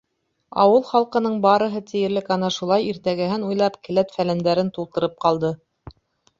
Ауыл халҡының барыһы тиерлек ана шулай иртәгәһен уйлап келәт-фәләндәрен тултырып ҡалды.